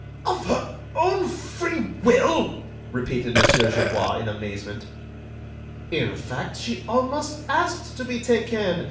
"Of her own free will!" repeated Mon. Gerbois, in amazement. "In fact, she almost asked to be taken.